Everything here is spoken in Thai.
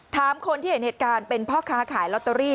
ถามคนที่เห็นเหตุการณ์เป็นพ่อค้าขายลอตเตอรี่